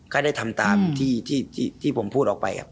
ก็ได้ทำตามที่ผมพูดออกไป